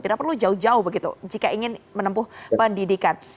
tidak perlu jauh jauh begitu jika ingin menempuh pendidikan